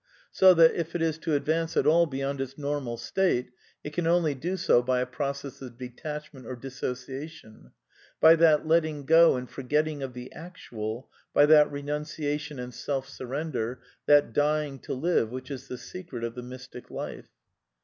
So that, if it is to \ advance at all beyond its normal state, it can only do so y by a process of detachment or dissociation ; by that letting \'. go and forgetting of the actual, by that renunciation and ^\ self surrender, that dying to live which is the secret of the \jnystic life.